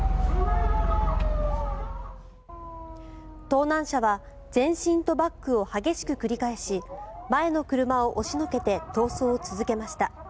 盗難車は前進とバックを激しく繰り返し前の車を押しのけて逃走を続けました。